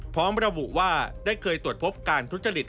พร้อมระบุว่าได้เคยตรวจพบการทุจริต